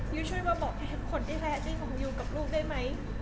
ยื้อช่วยมาบอกแทนคนที่แทนอยู่กับลูกได้ไหม